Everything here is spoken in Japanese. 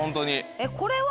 えっこれは？